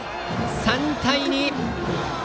３対２。